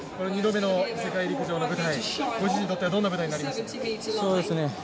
２度目の世界陸上の舞台ご自身にとってはどんな舞台になりましたか？